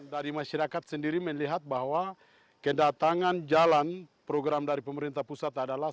dari masyarakat sendiri melihat bahwa kedatangan jalan program dari pemerintah pusat adalah